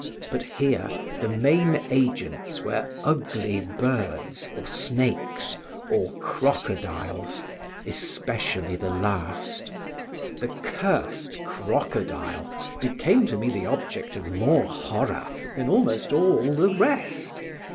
But here the main agents were ugly birds, or snakes, or crocodiles; especially the last. The cursed crocodile became to me the object of more horror than almost all the rest.